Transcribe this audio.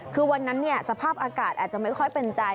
คือวันนั้นสภาพอากาศอาจจะไม่ค่อยเป็นใจ